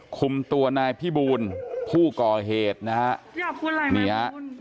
คุมตัวนายพี่บูนผู้ก่อเหตุนะฮะอยากพูดอะไรไหมครับบูน